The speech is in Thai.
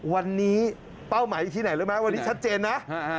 วันนี้เป้าหมายอยู่ที่ไหนรู้ไหมวันนี้ชัดเจนนะ